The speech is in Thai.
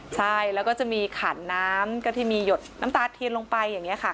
ใช่แล้วก็จะมีขันน้ำก็ที่มีหยดน้ำตาเทียนลงไปอย่างนี้ค่ะ